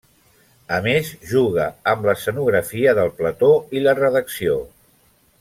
A més juga amb l'escenografia del plató i la redacció.